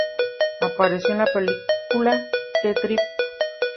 Apareció en la película "The Trip.